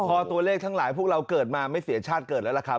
พอตัวเลขทั้งหลายพวกเราเกิดมาไม่เสียชาติเกิดแล้วล่ะครับ